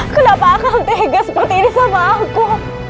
kenapa kamu tegas seperti ini sama aku